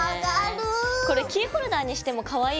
これキーホルダーにしてもかわいいかもって思った。